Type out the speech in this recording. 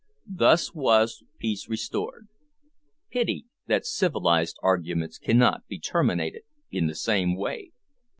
Thus was peace restored. Pity that civilised arguments cannot be terminated in the same way!